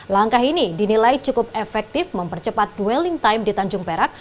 langkah ini dinilai cukup efektif mempercepat dwelling time di tanjung perak